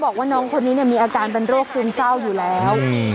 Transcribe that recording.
บอกว่าน้องคนนี้เนี่ยมีอาการเป็นโรคซึมเศร้าอยู่แล้ว